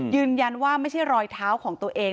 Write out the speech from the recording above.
ยืนยันว่าไม่ใช่รอยเท้าของตัวเอง